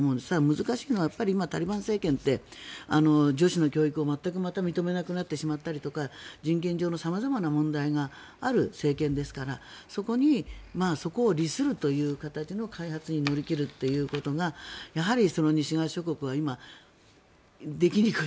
難しいのは今タリバン政権って女子の教育をまた全く認めなくなってしまったりとか人権上の様々な問題がある政権ですからそこを利するという形の開発に乗り切るということがやはり西側諸国はできにくい。